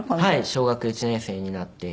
小学１年生になって。